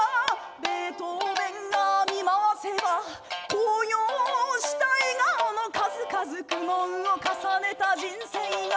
ベートーヴェンが見回せば「昂揚した笑顔の数々」「苦悩を重ねた人生が」